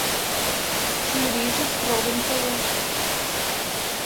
Чурийже строгын коеш.